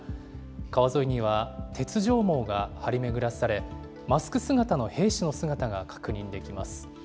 川沿いには鉄条網が張り巡らされ、マスク姿の兵士の姿が確認できます。